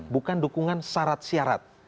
bukan dukungan syarat syarat